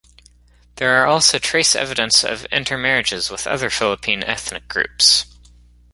There are also trace evidence of intermarriages with other Philippine ethnic groups.